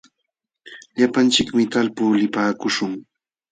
Llapanchikmi talpuu lipaakuśhun.